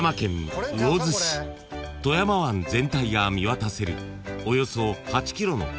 ［富山湾全体が見渡せるおよそ８ｋｍの海岸線には］